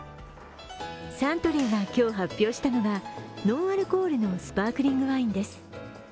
サントリーが今日発表したのがノンアルコールのスパークリングワインです。